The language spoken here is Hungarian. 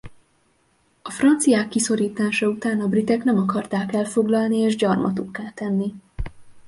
A franciák kiszorítása után a britek nem akarták elfoglalni és gyarmatukká tenni.